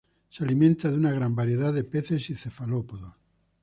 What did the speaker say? Se alimenta de una gran variedad de peces y cefalópodos.